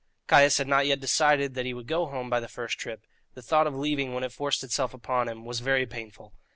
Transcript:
Caius had not yet decided that he would go home by the first trip; the thought of leaving, when it forced itself upon him, was very painful.